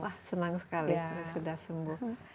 wah senang sekali sudah sembuh